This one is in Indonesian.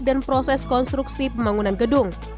dan proses konstruksi pembangunan gedung